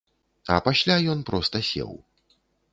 А пасля ён проста сеў.